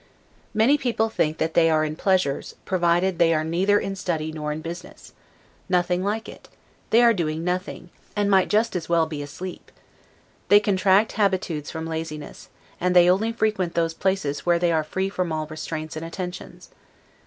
Many people think that they are in pleasures, provided they are neither in study nor in business. Nothing like it; they are doing nothing, and might just as well be asleep. They contract habitudes from laziness, and they only frequent those places where they are free from all restraints and attentions.